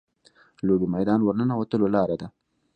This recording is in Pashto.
لوبې میدان ورننوتو لاره ده.